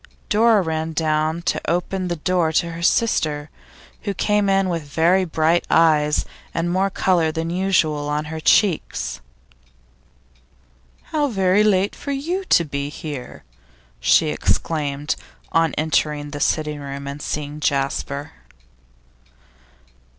Dora ran down to open the door to her sister, who came in with very bright eyes and more colour than usual on her cheeks. 'How late for you to be here!' she exclaimed, on entering the sitting room and seeing Jasper.